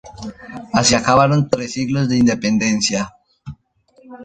Así acabaron tres siglos de independencia.